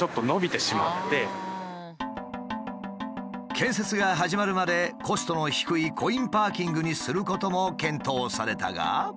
建設が始まるまでコストの低いコインパーキングにすることも検討されたが。